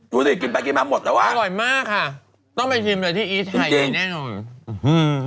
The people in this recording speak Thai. ดูสิกินไปกินมาหมดแล้วว่าอร่อยมากค่ะต้องไปชิมเลยที่อีสไข่เดยแน่นอนอืม